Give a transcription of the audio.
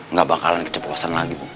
nggak bakalan keceplosan lagi bu